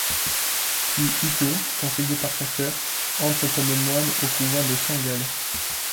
Puis Hitto, conseillé par sa sœur, entre comme moine au couvent de Saint-Gall.